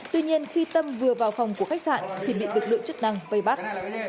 tuy nhiên khi tâm vừa vào phòng của khách sạn thì bị lực lượng chức năng vây bắt